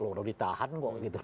sudah ditahan kok gitu